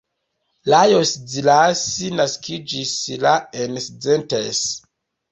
Lajos Szilassi naskiĝis la en Szentes.